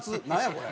これ。